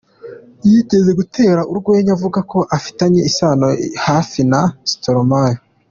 Yigeze gutera urwenya avuga ko afitanye isano ya hafi na Stromae.